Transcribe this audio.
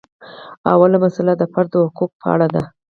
لومړۍ مسئله د فرد د حقوقو په اړه ده.